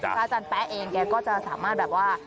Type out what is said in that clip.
อาจารย์แป๊ะเองแกก็จะสามารถแบบว่า